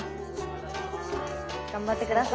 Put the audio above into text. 頑張って下さい。